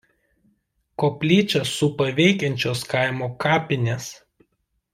Koplyčią supa veikiančios kaimo kapinės.